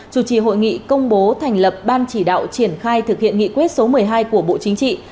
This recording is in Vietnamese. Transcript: chủ trì hội nghị công bố thành lập ban chỉ đạo triển khai thực hiện nghị quyết số một mươi hai của bộ chính trị